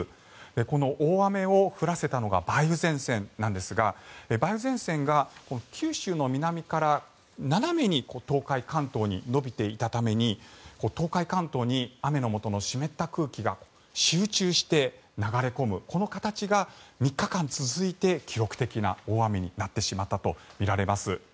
この大雨を降らせたのが梅雨前線なんですが梅雨前線が九州の南から斜めに東海・関東に延びていたために東海・関東に雨のもとの湿った空気が集中して流れ込むこの形が３日間続いて記録的な大雨になってしまったとみられます。